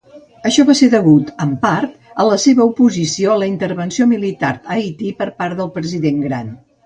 Això va ser degut en part a la seva oposició a la intervenció militar a Haití per part del president Grant.